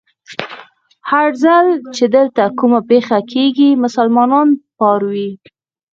هر ځل چې دلته کومه پېښه کېږي، مسلمانان پاروي.